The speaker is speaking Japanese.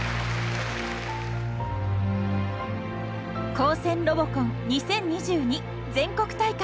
「高専ロボコン２０２２全国大会」。